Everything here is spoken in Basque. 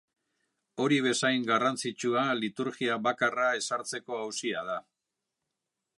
Hori bezain garrantzitsua liturgia bakarra ezartzeko auzia da.